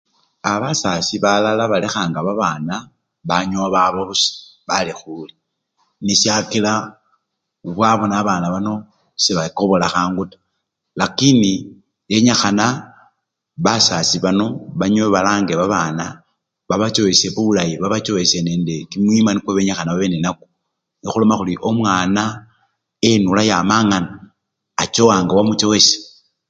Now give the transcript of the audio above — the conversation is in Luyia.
Aa basasi balala balekhanga babanabanyowa baba busa balekhule neshakila nekhwabona babana bano sebakobola khangu taa, lakini benykhana basasi bano banyowe balange babana babachoweshe bulayi, babachoweshe nende kumwima kwesi benya babe nenakwo, nyo khuloma khuri omwana enula yama ngana, achowa nga wamuchowesha.